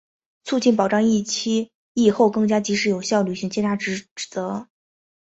促进、保障疫期、疫后更加及时有效履行检察职能